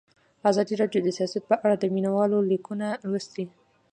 ازادي راډیو د سیاست په اړه د مینه والو لیکونه لوستي.